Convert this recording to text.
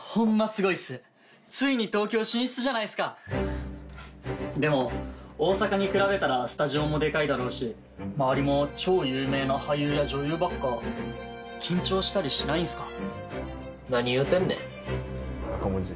すごいっすついに東京進出じゃないすかでも大阪に比べたらスタジオもデカいだろうし周りも超有名な俳優や女優ばっか緊張したりしないんすか？